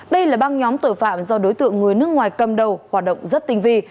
đây là băng nhóm tội phạm do đối tượng người nước ngoài cầm đầu hoạt động rất tinh vi